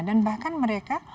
dan bahkan mereka